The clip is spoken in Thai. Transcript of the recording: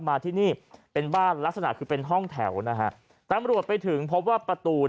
มาที่นี่เป็นบ้านลักษณะคือเป็นห้องแถวนะฮะตำรวจไปถึงพบว่าประตู